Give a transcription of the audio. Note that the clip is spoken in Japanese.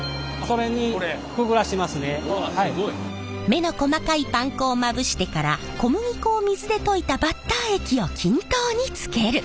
目の細かいパン粉をまぶしてから小麦粉を水で溶いたバッター液を均等につける。